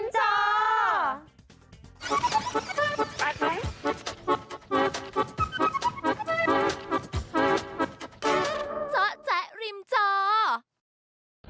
จ๊อจแจ๊กริมจอร์